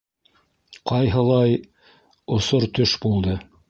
- Ҡайһылай... осор төш булды.